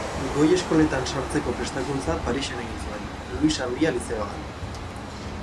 Goi eskoletan sartzeko prestakuntza Parisen egin zuen, Luis Handia Lizeoan.